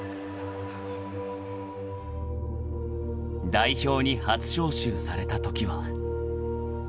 ［代表に初招集されたときは］